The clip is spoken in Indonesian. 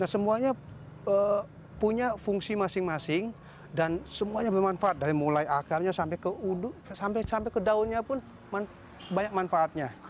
semuanya punya fungsi masing masing dan semuanya bermanfaat dari mulai akarnya sampai ke daunnya pun banyak manfaatnya